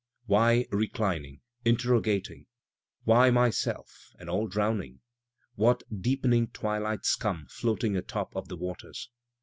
Why reclining, interrogating? why myself and all drowsing? What deepening twilight scum floating atop of the waters?